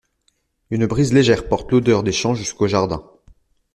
Une brise légère porte l’odeur des champs jusqu’au jardin.